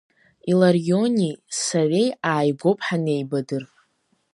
Илариони сареи ааигәоуп ҳанеибадыр.